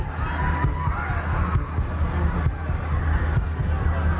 อยู่ไหนบ้าง